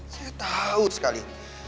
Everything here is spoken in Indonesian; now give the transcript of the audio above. saya tahu sekali